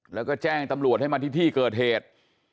แล้วก็แจ้งตำรวจให้มาที่ที่เกิดเหตุ